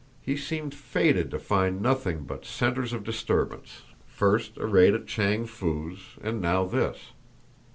He seemed fated to find nothing but centres of disturbance first a raid at Chang Foo's, and now this.